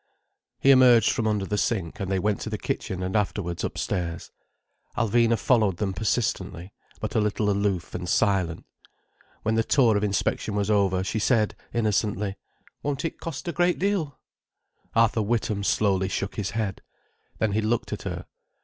He emerged from under the sink, and they went to the kitchen and afterwards upstairs. Alvina followed them persistently, but a little aloof, and silent. When the tour of inspection was almost over, she said innocently: "Won't it cost a great deal?" Arthur Witham slowly shook his head. Then he looked at her.